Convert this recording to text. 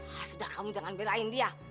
ya sudah kamu jangan belain dia